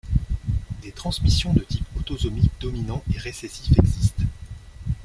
Des transmissions de type autosomique dominant et récessif existent.